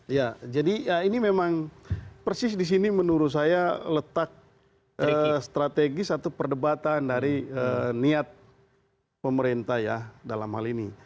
iya jadi ini memang persis disini menurut saya letak strategi satu perdebatan dari niat pemerintah ya dalam hal ini